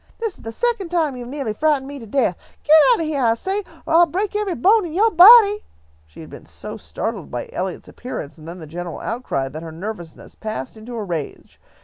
"This is the second time you have neahly frightened me to death! Get out of heah, I say, or I'll break every bone in yo' body!" She had been so startled by Eliot's appearance and then the general outcry, that her nervousness passed into a rage.